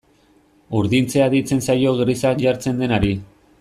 Urdintzea deitzen zaio grisa jartzen denari.